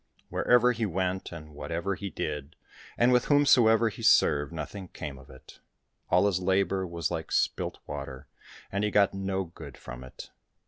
Wherever he went, and what ever he did, and with whomsoever he served, nothing came of it : all his labour was like spilt water, he got no good from it.